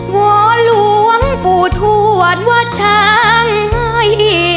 วอนหลวงปู่ทวดวัดช้างให้